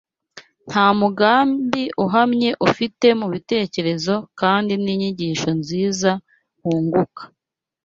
nta mugambi uhamye ufite mu bitekerezo kandi n’inyigisho nziza wunguka.